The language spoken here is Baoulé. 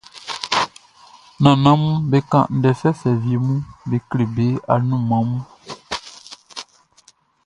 Nannanʼm be kan ndɛ fɛfɛ wie mun be kle be anunman mun.